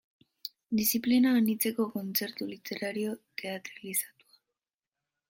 Diziplina anitzeko kontzertu literario teatralizatua.